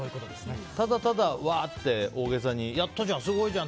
ただただ、わーって大げさにすごいじゃん！